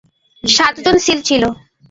সাতজন সিল ছিল।